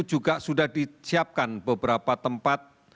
juga sudah disiapkan beberapa tempat